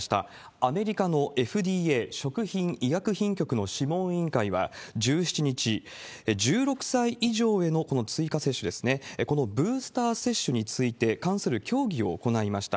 アメリカのＦＤＡ・アメリカ食品医薬品局の諮問委員会は１７日、１６歳以上へのこの追加接種ですね、このブースター接種についてに関する協議を行いました。